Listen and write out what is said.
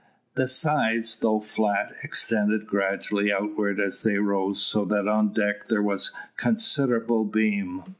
The sides, though flat, extended gradually outward as they rose, so that on deck there was considerable beam.